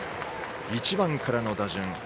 １番からの打順。